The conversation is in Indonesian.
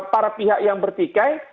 para pihak yang berpikai